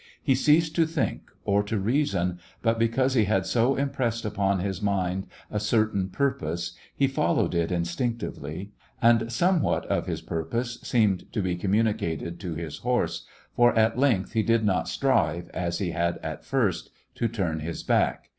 He ceased to think or to reason, but because he had so impressed upon his mind a certain purpose, he followed it in stinctively. And somewhat of his purpose seemed to be conmiunicated to his horse, for at length he did not strive, as he had at first, to turn his back.